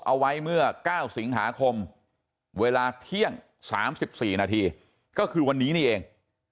เอาไว้เมื่อ๙สิงหาคมเวลาเที่ยง๓๔นาทีก็คือวันนี้นี่เอง